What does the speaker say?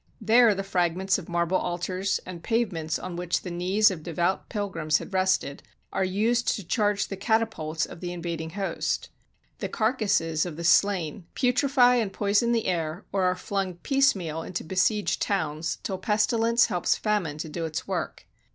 There the fragments of marble altars, and pavements on which the knees of devout pilgrims had rested, are used to charge the catapults of the invad ing host. The carcasses of the slain putrefy and poison 274 THE DELIVERANCE OF PRAGUE the air, or are flung piecemeal into besieged towns, till pestilence helps famine to do its work.